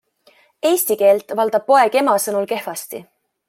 Eesti keelt valdab poeg ema sõnul kehvasti.